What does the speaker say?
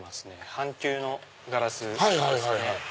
半球のガラスですね。